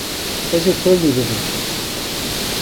Ez ê tevlî bibim.